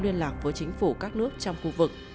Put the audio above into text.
liên lạc với chính phủ các nước trong khu vực